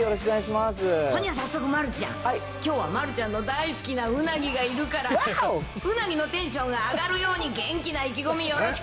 ほんじゃ、早速、丸ちゃん、きょうは丸ちゃんの大好きな鰻がいるから、鰻のテンションが上がるように、元気な意気込み、よろしく。